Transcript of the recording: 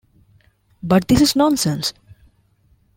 But this is nonsense.